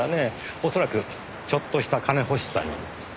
おそらくちょっとした金欲しさに。